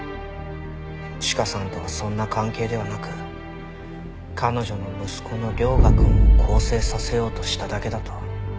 チカさんとはそんな関係ではなく彼女の息子の涼牙くんを更生させようとしただけだと。